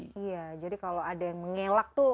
iya jadi kalau ada yang mengelak tuh